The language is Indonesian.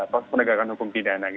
proses penegakan hukum pidana